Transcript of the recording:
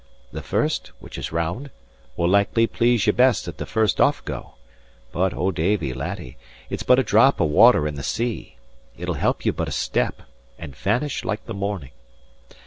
The first, which is round, will likely please ye best at the first off go; but, O Davie, laddie, it's but a drop of water in the sea; it'll help you but a step, and vanish like the morning.